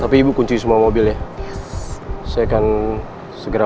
sampai jumpa di video selanjutnya